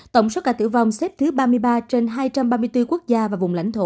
tổng số ca tử vong xếp thứ ba mươi ba trên hai trăm ba mươi bốn quốc gia và vùng lãnh thổ